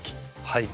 はい。